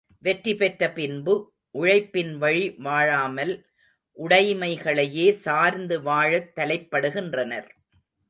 வெற்றி பெற்ற பின்பு உழைப்பின் வழி வாழாமல் உடைமைகளையே சார்ந்து வாழத் தலைப்படுகின்றனர்.